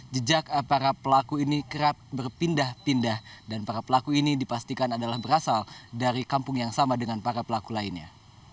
jejak para pelaku ini kerap berpindah pindah dan para pelaku ini dipastikan adalah berasal dari kampung yang sama dengan para pelaku lainnya